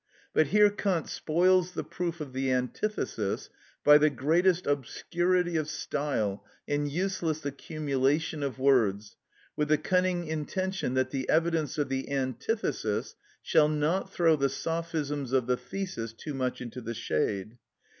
But here Kant spoils the proof of the antithesis by the greatest obscurity of style and useless accumulation of words, with the cunning intention that the evidence of the antithesis shall not throw the sophisms of the thesis too much into the shade.